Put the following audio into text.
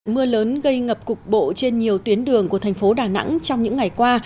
mưa lớn gây ngập cục bộ trên nhiều tuyến đường của thành phố đà nẵng trong những ngày qua